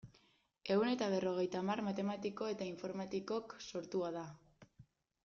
Ehun eta berrogeita hamar matematikok eta informatikok sortua da.